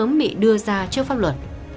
và cũng sớm bị đưa ra trước pháp luật